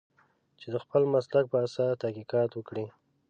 چې د خپل مسلک په اساس تحقیقات وکړي.